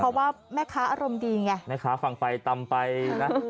เพราะว่าแม่ค้าอารมณ์ดีไงแม่ค้าฟังไปตำไปนะ